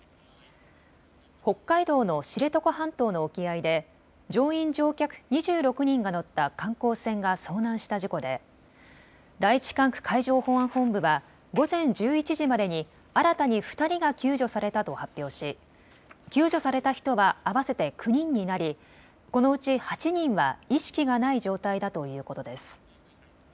北海道の知床半島の沖合で乗員・乗客２６人が乗った観光船が遭難した事故で第１管区海上保安本部は午前１１時までに新たに２人が救助されたと発表し救助された人は合わせて９人になり、このうち８人は意識がない状態だということです。